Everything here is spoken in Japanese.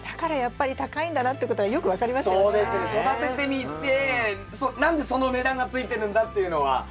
育ててみて何でその値段がついてるんだっていうのは改めて分かりましたね。